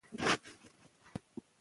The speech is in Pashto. دا ورځ د خلکو پوهاوی زیاتوي.